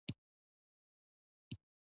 د پاچا خبرې سفر پیلوي.